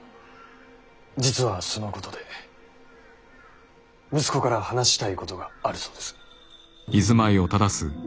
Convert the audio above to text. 実はそのことで息子から話したいことがあるそうです。